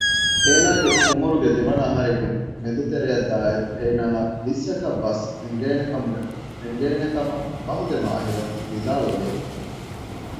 އޭނާގެ އުމުރުގެ ދެވަނަ އަހަރުގެ މެދުތެރެއަށް ދާއިރު އޭނާއަށް ވިއްސަކަށް ބަސް އެނގޭނެ ކަމަށް ބަހުގެ މާހިރުން ވިދާޅުވެ